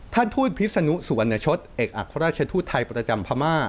ทูตพิษนุสุวรรณชศเอกอัครราชทูตไทยประจำพม่า